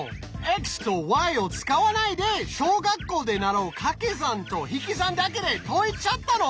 ｘとｙを使わないで小学校で習うかけ算と引き算だけで解いちゃったの？